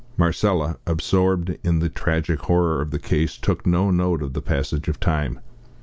Marcella, absorbed in the tragic horror of the case, took no note of the passage of time.